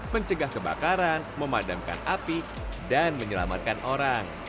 mencegah kebakaran memadamkan api dan menyelamatkan orang